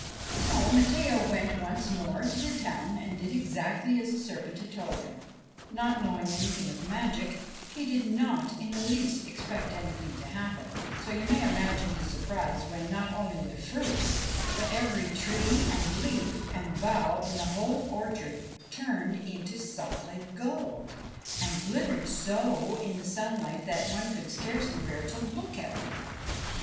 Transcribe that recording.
So Matteo went once more to the town and did exactly as the serpent had told him. Not knowing anything of magic, he did not in the least expect anything to happen ; so you may imagine his surprise when not only the fruit, but every tree and leaf and bough in the whole orchard, turned into solid gold, and glittered so in the sunlight that one could scarcely bear to look at them.